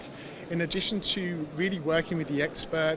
selain itu kita harus bekerja dengan para ekspert